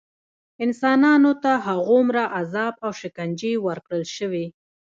انسانانو ته هغومره عذاب او شکنجې ورکړل شوې.